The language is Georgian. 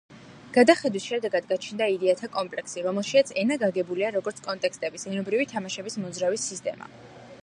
გადახედვის შედეგად გაჩნდა იდეათა კომპლექსი, რომელშიაც ენა გაგებულია როგორც კონტექსტების, „ენობრივი თამაშების“ მოძრავი სისტემა.